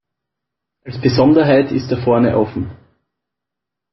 Als Besonderheit ist er vorne offen.